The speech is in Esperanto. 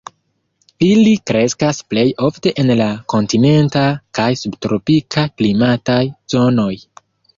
Ili kreskas plej ofte en la kontinenta kaj subtropika klimataj zonoj.